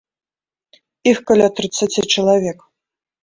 Іх каля трыццаці чалавек.